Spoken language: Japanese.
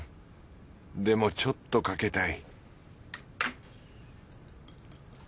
でもちょっとかけたい